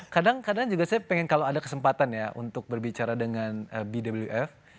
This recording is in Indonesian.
kadang kadang juga saya pengen kalau ada kesempatan ya untuk berbicara dengan bwf